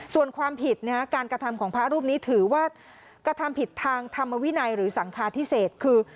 ส่วนความผิดการกระทำของพระรูปนี้ถือว่ากระทำผิดทางธรรมวินัยหรือสังคาพิเศษคือ